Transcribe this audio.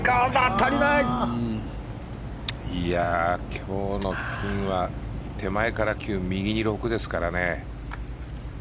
今日のピンは手前から９、右に６ですからね。